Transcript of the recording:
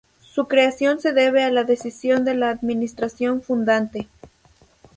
Su creación se debe a la decisión de la Administración fundante.